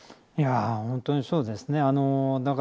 ほんとにそうですね。